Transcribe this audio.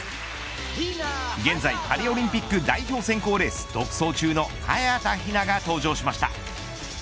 現在パリオリンピック代表選考レース独走中の早田ひなが登場しました。